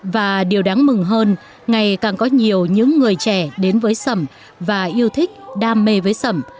và điều đáng mừng hơn ngày càng có nhiều những người trẻ đến với sẩm và yêu thích đam mê với sẩm